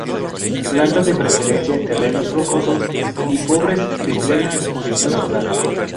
Planta de preferencia en terrenos rocosos, y pobres de plena exposición solar.